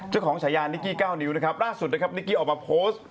เจ้าของฉายานิกกี้เก้านิวนะครับล่าสุดนะครับนิกกี้ออกมาโพสต์